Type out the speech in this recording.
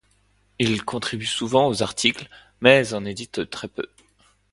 Il contribue souvent aux articles mais en édite très peu.